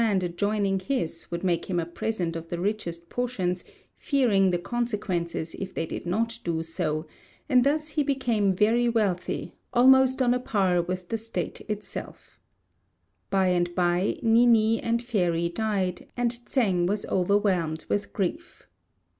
Owners of land adjoining his would make him a present of the richest portions, fearing the consequences if they did not do so; and thus he became very wealthy, almost on a par with the State itself. By and by, Ni ni and Fairy died, and Tsêng was overwhelmed with grief.